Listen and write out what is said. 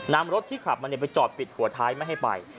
นำรถที่ขับมาไปจอดปิดหัวท้ายไม่ให้ไป